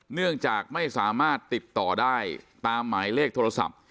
เนื่องจากไม่สามารถติดต่อได้ตามหมายเลขโทรศัพท์